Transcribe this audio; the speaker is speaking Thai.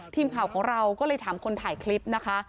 ทีมข่าวของเราก็เลยถามคนถ่ายคลิปนะคะ